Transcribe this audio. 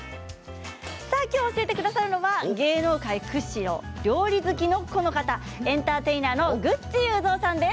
きょう教えてくださるのは芸能界屈指の料理好きのこの方エンターテイナーのグッチ裕三さんです。